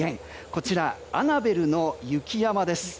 こちら、アナベルの雪山です。